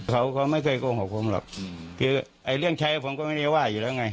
เขาเขาไม่เคยโกหกผมหรอกคือไอ้เรื่องใช้ผมก็ไม่ได้ว่าอยู่แล้วไง